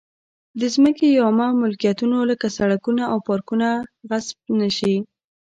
د ځمکې یا عامه ملکیتونو لکه سړکونه او پارکونه غصب نه شي.